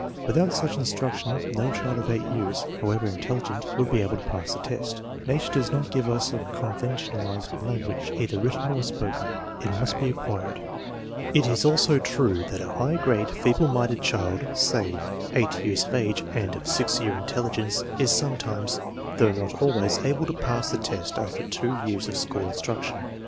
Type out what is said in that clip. Without such instruction no child of 8 years, however intelligent, would be able to pass the test. Nature does not give us a conven tionalized language, either written or spoken. It must be acquired. It is also true that a high grade feeble minded child, say 8 years of age and of 6 year intelligence, is some times (though not always) able to pass the test after two years of school instruction.